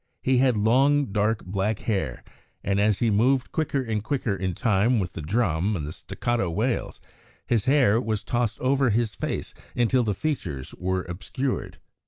He had long dank black hair, and, as he moved quicker and quicker, in time with the drum and the staccato wails, his hair was tossed over his face until the features were obscured.